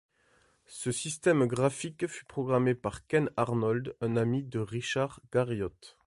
Ce système graphique fut programmé par Ken Arnold, un ami de Richard Garriott.